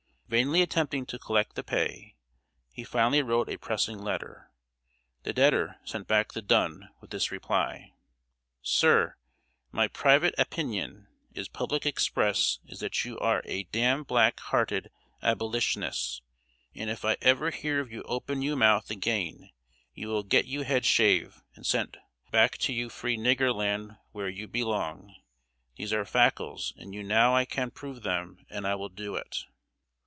Vainly attempting to collect the pay, he finally wrote a pressing letter. The debtor sent back the dun with this reply: "SIR: My privet Apinion is Public express is that you ar A Dam Black harted ablichiness and if I ever hear of you open you mouth a gane you will get you head shave and cent Back to you free nigar Land Whar you be along these are fackes and you now I can prove them and I will Doet."